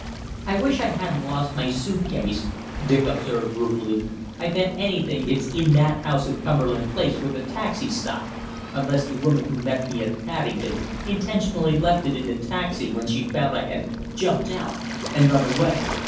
"I wish I hadn't lost my suit case," Dick observed ruefully. "I bet anything it's in that house in Cumberland Place where the taxi stopped unless the woman who met me at Paddington intentionally left it in the taxi when she found I had jumped out and run away.